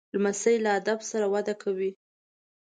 لمسی له ادب سره وده کوي.